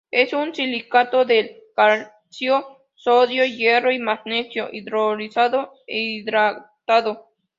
Es un silicato de calcio, sodio, hierro y magnesio, hidroxilado e hidratado.